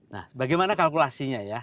nah bagaimana kalkulasinya ya